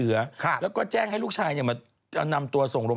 อูหูเปลงวันตอง